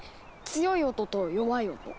強い音と弱い音。